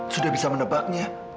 sudah bisa menebaknya